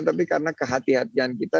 tapi karena kehatian kehatian kita